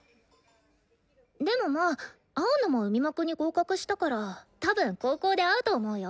でもまあ青野も海幕に合格したからたぶん高校で会うと思うよ。